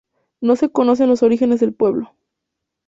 No se conocen los orígenes del pueblo.